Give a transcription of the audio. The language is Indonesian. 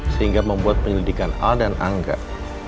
sehingga membuat penyelidikan a dan a enggak